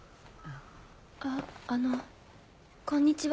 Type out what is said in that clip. ああのこんにちは。